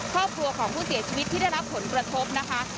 ครอบครัวของผู้เสียชีวิตที่ได้รับผลกระทบนะคะ